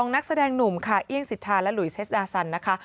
นักแสดงหนุ่มค่ะเอี่ยงสิทธาและหลุยเซสดาซันนะคะ